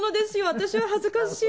私は恥ずかしい。